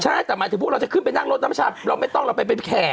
ใช่แต่หมายถึงพวกเราจะขึ้นไปนั่งรถน้ำชาเราไม่ต้องเราไปแผ่